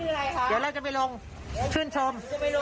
เดี๋ยวเราจะไปลงชื่นชม